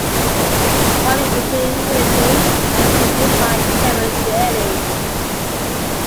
"Falling Into Infinity" was produced by Kevin Shirley.